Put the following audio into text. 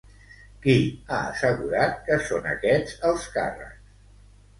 Qui ha assegurat que són aquests els càrrecs?